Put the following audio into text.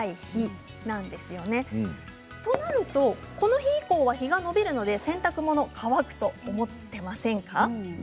そうなりますと、この日以降は日が伸びるので洗濯物は乾くと思っていませんか？